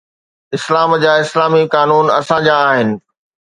اسلام جا اسلامي قانون اسان جا آهن.